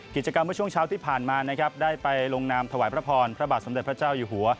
กิจกรรมเมื่อช่วงเช้าที่ผ่านมานะครับได้ไปลงนามถวายพระพรพระบาทสมเด็จพระเจ้าอยู่หัว